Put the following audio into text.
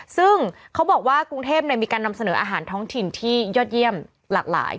ซึ่งเขาบอกว่ากรุงเทพมีการนำเสนออาหารท้องถิ่นที่ยอดเยี่ยมหลากหลาย